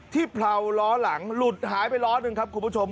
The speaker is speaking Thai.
เผลาล้อหลังหลุดหายไปล้อหนึ่งครับคุณผู้ชม